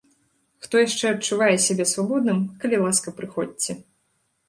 Хто яшчэ адчувае сябе свабодным, калі ласка, прыходзьце.